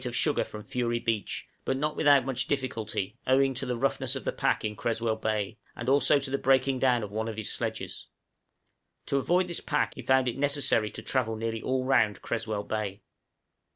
of sugar from Fury Beach, but not without much difficulty, owing to the roughness of the pack in Creswell Bay, and also to the breaking down of one of his sledges; to avoid this pack he found it necessary to travel nearly all round Creswell Bay.